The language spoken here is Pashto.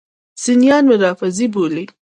سنیان مې رافضي بولي.